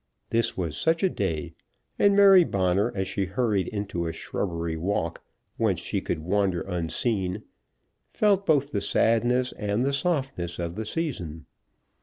This was such a day, and Mary Bonner, as she hurried into a shrubbery walk, where she could wander unseen, felt both the sadness and the softness of the season.